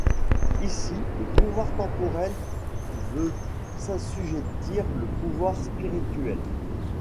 Ici, le pouvoir temporel veut s'assujettir le pouvoir spirituel.